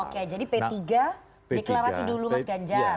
oke jadi p tiga deklarasi dulu mas ganjar